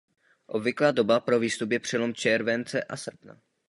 Obvyklá doba pro výstup je přelom července a srpna.